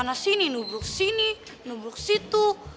sana sini nubruk sini nubruk situ